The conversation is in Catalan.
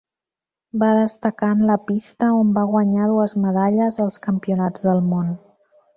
Va destacar en la pista on va guanyar dues medalles als Campionats del Món.